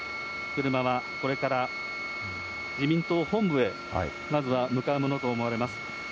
車はこれから自民党本部へ、まずは向かうものと思われます。